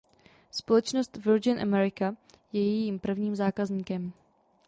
Společnost Virgin America je jejím prvním zákazníkem.